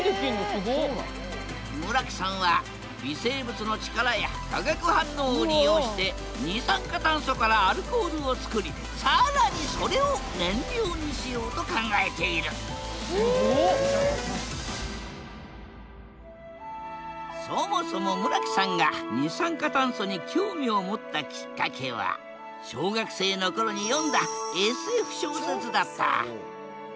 村木さんは微生物の力や化学反応を利用して二酸化炭素からアルコールを作り更にそれを燃料にしようと考えているそもそも村木さんが二酸化炭素に興味を持ったきっかけは小学生の頃に読んだＳＦ小説だった。